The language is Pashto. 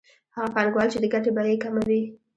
هغه پانګوال چې د ګټې بیه یې کمه وي